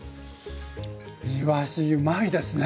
いわしうまいですね。